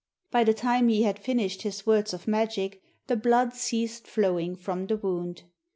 By the time he had finished his words of magic the blood ceased flowing from the wound.